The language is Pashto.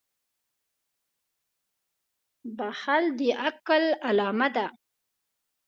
• بښل د عقل علامه ده.